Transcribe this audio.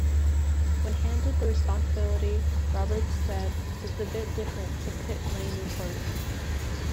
When handed the responsibility Roberts said It's a bit different to pit-lane reporting.